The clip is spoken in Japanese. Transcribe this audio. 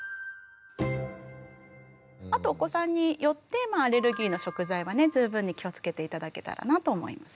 あとお子さんによってまあアレルギーの食材はね十分に気をつけて頂けたらなと思います。